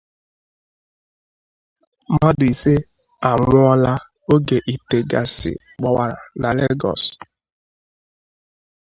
Mmadụ Ise Anwụọla Oge Ìtè Gaasị Gbọwara Na Lagos